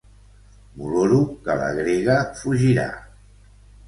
M'oloro que la grega fugirà.